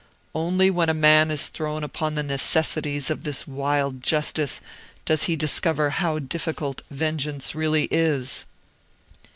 Only when a man is thrown upon the necessities of this 'wild justice' does he discover how difficult vengeance really is.